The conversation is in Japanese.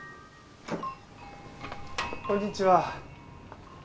こんにちは。